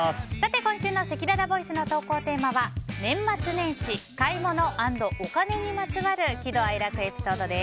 今週のせきららスタジオの投稿テーマは年末年始買い物＆お金にまつわる喜怒哀楽エピソードです。